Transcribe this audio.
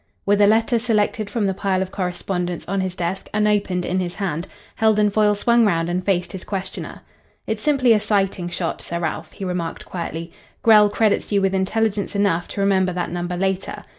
With a letter selected from the pile of correspondence on his desk unopened in his hand, Heldon Foyle swung round and faced his questioner. "It's simply a sighting shot, Sir Ralph," he remarked quietly. "Grell credits you with intelligence enough to remember that number later.